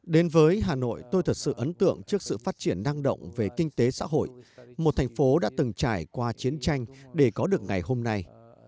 đến với hà nội tôi thật sự ấn tượng trước sự phát triển năng động về kinh tế xã hội một thành phố đã từng trải qua chiến tranh để có được ngày hôm nay